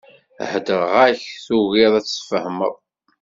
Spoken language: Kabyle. Heddreɣ-ak, tugiḍ ad tfehmeḍ.